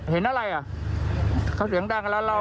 เห็นอะไรอ่ะเขาเสียงดังแล้วเรา